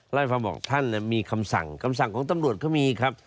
เล่าให้ฟังบอกท่านมีคำสั่งคำสั่งของตำรวจเขามีครับ